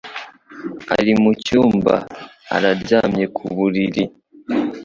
ari mucyumba, aryamye ku buriri.